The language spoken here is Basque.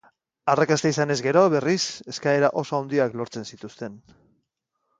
Arrakasta izanez gero, berriz, eskaera oso handiak lortzen zituzten.